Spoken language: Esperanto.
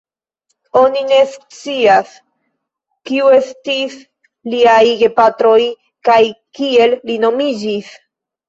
Oni ne scias kiu estis liaj gepatroj kaj kiel li nomiĝis.